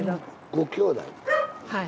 ごきょうだい？